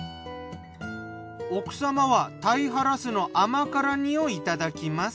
奥様は鯛ハラスの甘辛煮をいただきます。